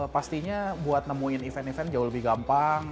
pastinya buat nemuin event event jauh lebih gampang